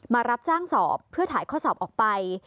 รับจ้างสอบเพื่อถ่ายข้อสอบออกไป